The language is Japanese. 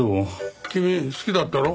君好きだったろ？